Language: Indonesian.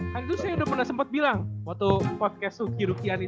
kan itu saya udah pernah sempat bilang waktu podcast suki rukian itu